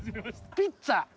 ピッツァ。